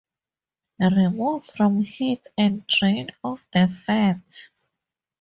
Remove from heat and drain off the fat.